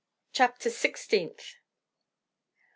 Chapter Sixteenth.